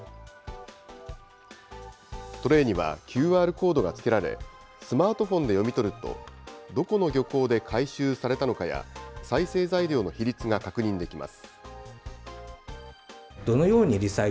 トレーにはＱＲコードが付けられ、スマートフォンで読み取ると、どこの漁港で回収されたのかや、再生材料の比率が確認できます。